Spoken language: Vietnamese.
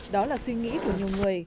đó là suy nghĩ của nhiều người